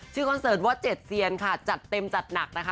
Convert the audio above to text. ชื่อคอนเสาร์ตว่าเจ็ดเหเซียนจัดเต็มจัดหนักนะคะ